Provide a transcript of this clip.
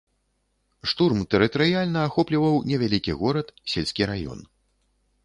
Штурм тэрытарыяльна ахопліваў невялікі горад, сельскі раён.